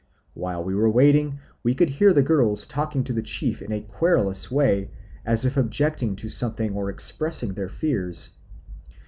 While we were waiting we could hear the girls talking to the chief in a querulous way as if objecting to something or expressing their fears.